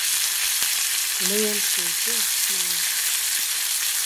— Мый... ом шинче, — манеш.